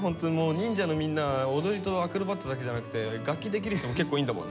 忍者のみんなは踊りとアクロバットだけじゃなくて楽器できる人も結構いんだもんね。